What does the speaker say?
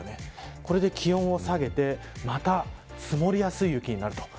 これで気温を下げてまた積もりやすい雪になると。